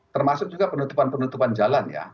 termasuk juga penutupan penutupan jalan ya